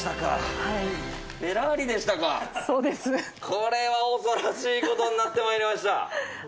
これは恐ろしいことになってまいりました。